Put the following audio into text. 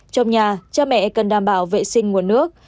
trong nhà cha mẹ cần đảm bảo vệ sinh nguồn nước